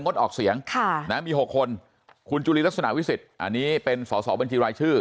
งดออกเสียงมี๖คนคุณจุลินลักษณะวิสิทธิ์อันนี้เป็นสอสอบัญชีรายชื่อ